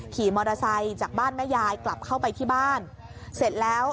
ขี่มอเตอร์ไซค์จากบ้านแม่ยายกลับเข้าไปที่บ้านเสร็จแล้ว